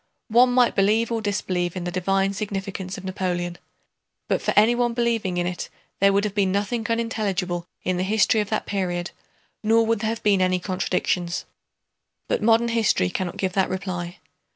One might believe or disbelieve in the divine significance of Napoleon, but for anyone believing in it there would have been nothing unintelligible in the history of that period, nor would there have been any contradictions. But modern history cannot give that reply.